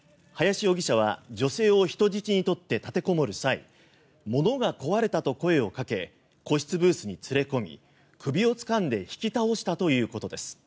林容疑者は女性を人質に取って立てこもる際物が壊れた声をかけ個室ブースに連れ込み首をつかんで引き倒したということです。